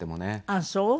あっそう！